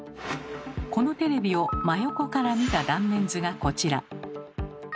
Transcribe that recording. このテレビを真横から見た断面図がこちら。